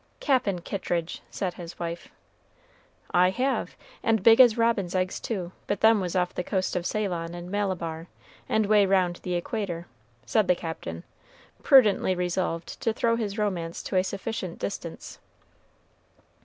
"Cap'n Kittridge!" said his wife. "I have, and big as robins' eggs, too, but them was off the coast of Ceylon and Malabar, and way round the Equator," said the Captain, prudently resolved to throw his romance to a sufficient distance.